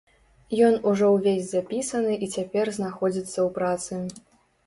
Ён ужо ўвесь запісаны і цяпер знаходзіцца ў працы.